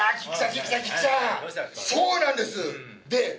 そうなんです。